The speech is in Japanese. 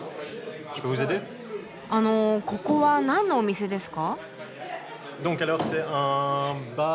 あのここはなんのお店ですか？